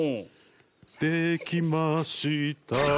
「できました」